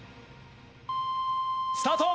スタート！